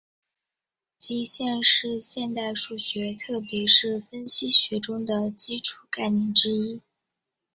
极限是现代数学特别是分析学中的基础概念之一。